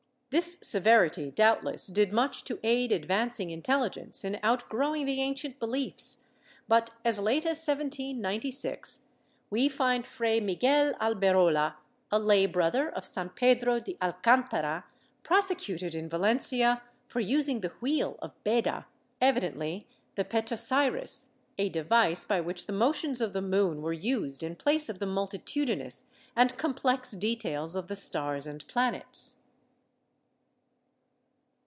^ This severity, doubtless, did much to aid advancing intelligence in outgrowing the ancient beliefs but, as late as 1796, we find Fray Miguel Alberola, a lay brother of San Pedro de Alcantara, prosecuted in Valencia for using the "wheel of Beda" — evidently the Petosiris, a device by which the motions of the moon were used in place of the multitudinous and complex details of the stars and planets.